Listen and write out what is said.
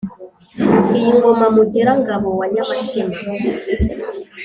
iyi ngoma mugera-ngabo wa nyamashema